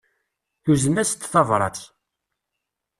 Tuzen-as-d tabrat.